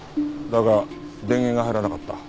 だが電源が入らなかった。